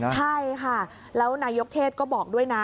ใช่ค่ะแล้วนายกเทศก็บอกด้วยนะ